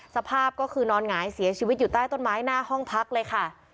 สภาพก็คือนอนหงายเสียชีวิตอยู่ใต้ต้นไม้หน้าห้องพักเลยค่ะ